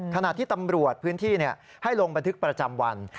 ขณะที่ตำรวจพื้นที่ให้ลงบันทึกประจำวัน